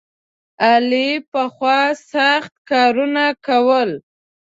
علي پخوا سخت کارونه کول.